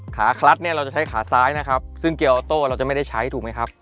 คลัดเนี่ยเราจะใช้ขาซ้ายนะครับซึ่งเกียวออโต้เราจะไม่ได้ใช้ถูกไหมครับ